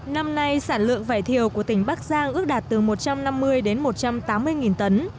năm nay sản lượng vải thiều của tỉnh bắc giang ước đạt từ một trăm năm mươi đến một trăm tám mươi tấn